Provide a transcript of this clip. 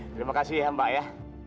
terima kasih ya mbak ya